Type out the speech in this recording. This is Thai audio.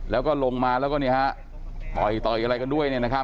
แล้วก็ลงมาแล้วก็ต่อยอะไรกันด้วย